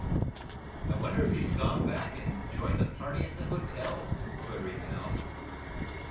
"I wonder if he has gone back and joined the party at the hotel?" queried Hal.